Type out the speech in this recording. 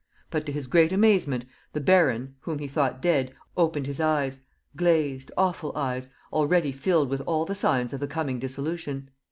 But, to his great amazement, the baron, whom he thought dead, opened his eyes, glazed, awful eyes, already filled with all the signs of the coming dissolution.